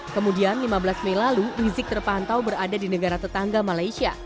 kemudian lima belas mei lalu rizik terpantau berada di negara tetangga malaysia